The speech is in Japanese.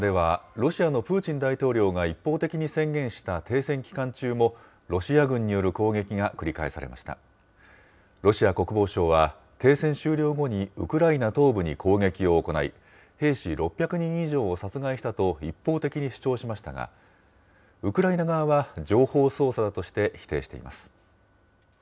ロシア国防省は、停戦終了後にウクライナ東部に攻撃を行い、兵士６００人以上を殺害したと一方的に主張しましたが、ウクライナ側は情報操作だとして否定しています。